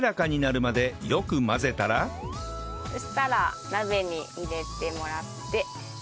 そしたら鍋に入れてもらって。